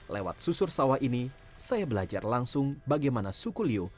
lewat susur sawah ini saya belajar langsung bagaimana suku lio